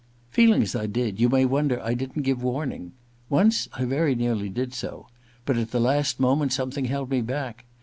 ' Feeling as I did, you may wonder I didn't give warning. Once I very nearly did so ; but at the last moment something held me back.